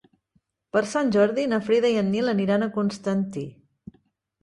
Per Sant Jordi na Frida i en Nil aniran a Constantí.